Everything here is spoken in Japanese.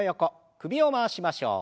首を回しましょう。